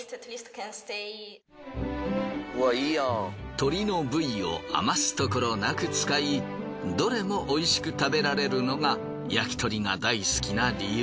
鶏の部位をあますところなく使いどれもおいしく食べられるのが焼き鳥が大好きな理由。